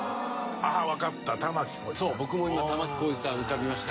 そう僕も今玉置浩二さん浮かびました。